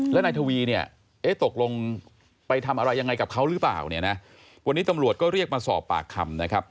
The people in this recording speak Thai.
แล้วนายทวีตกลงไปทำอะไรยังไงกับเขาหรือเปล่าวันนี้ตำรวจก็เรียกมาสอบปากคำ